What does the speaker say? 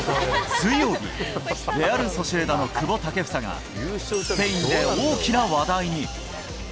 水曜日、レアル・ソシエダの久保建英が、スペインで大きな話題に。